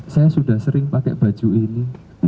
saya sudah sering pakai baju ini